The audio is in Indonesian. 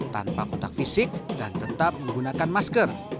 tanpa kontak fisik dan tetap menggunakan masker